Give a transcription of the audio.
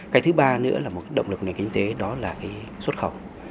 cái thứ ba nữa là một cái động lực của nền kinh tế đó là cái xuất khẩu